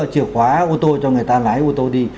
chìa khóa ô tô cho người ta lái ô tô đi